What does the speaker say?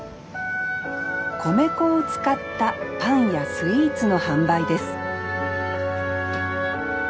米粉を使ったパンやスイーツの販売です